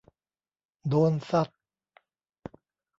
โดนซัด